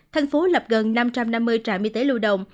thành phố lập gần năm trăm năm mươi trạm y tế lưu động